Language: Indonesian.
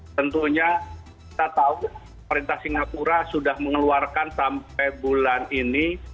tentunya kita tahu perintah singapura sudah mengeluarkan sampai bulan ini